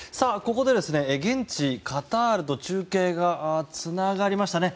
ここで現地カタールと中継がつながりましたね。